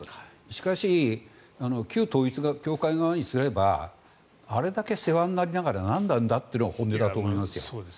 しかし、旧統一教会側とすればあれだけ世話になりながら何なんだというのが本音だと思いますよ。